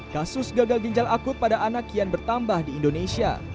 kasus gagal ginjal akut pada anak kian bertambah di indonesia